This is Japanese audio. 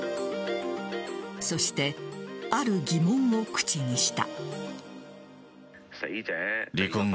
そして、ある疑問を口にした。